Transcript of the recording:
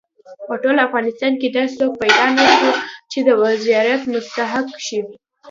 په ټول افغانستان کې داسې څوک پیدا نه شو چې د وزارت مستحق شي.